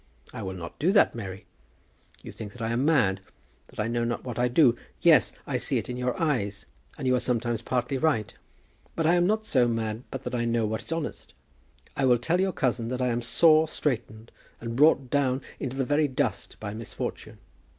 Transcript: I will not do that, Mary. You think that I am mad, that I know not what I do. Yes, I see it in your eyes; and you are sometimes partly right. But I am not so mad but that I know what is honest. I will tell your cousin that I am sore straitened, and brought down into the very dust by misfortune.